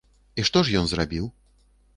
І што ж ён зрабіў?